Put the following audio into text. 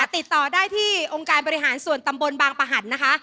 ติดต่อได้ที่องค์การบริหารส่วนตำบลบางประหันนะคะ